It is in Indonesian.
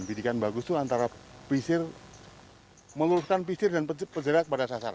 bidikan bagus itu antara pisir meluruskan pisir dan terjerat pada sasar